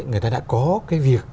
người ta đã có cái việc